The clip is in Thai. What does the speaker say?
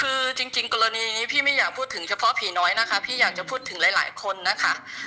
คือจริงกรณีนี้พี่ไม่อยากพูดถึงเฉพาะผีน้อยนะคะพี่อยากจะพูดถึงหลายคนนะคะ